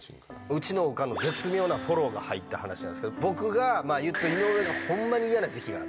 うちのおかんの絶妙なフォローが入った話なんですけど、僕が、言ったら井上がほんまに嫌な時期が。